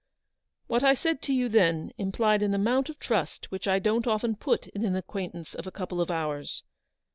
" What I said to you then implied an amount of trust which I don't often put in an acquain tance of a couple of hours.